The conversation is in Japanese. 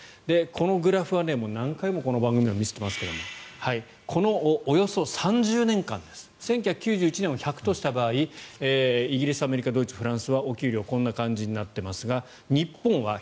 このグラフは何回もこの番組でも見せていますがこのおよそ３０年間です１９９１年を１００とした場合イギリス、アメリカ、ドイツフランスはお給料こんな感じになっていますが日本は１０５。